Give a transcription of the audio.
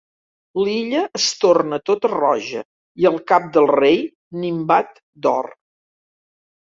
L’illa es torna tota roja i el cap del rei nimbat d’or.